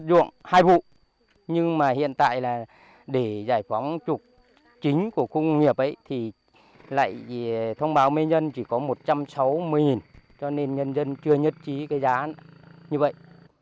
dụ hai vụ nhưng mà hiện tại là để giải phóng trục chính của khu công nghiệp ấy thì lại thông báo mê nhân chỉ có một trăm sáu mươi cho nên nhân dân chưa nhất trí cái giá như vậy